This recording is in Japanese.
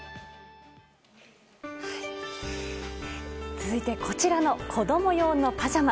続いてこちらの子供用のパジャマ。